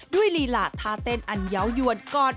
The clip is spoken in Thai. ด้วยลีหลาดทาเต้นอันยาวยวดกอด